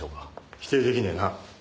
否定できねえな。